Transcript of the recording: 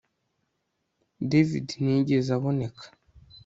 David ntiyigeze aboneka